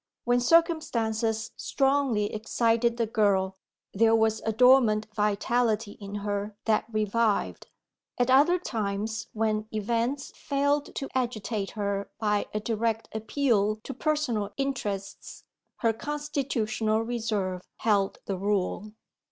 When circumstances strongly excited the girl, there was a dormant vitality in her that revived. At other times when events failed to agitate her by a direct appeal to personal interests, her constitutional reserve held the rule.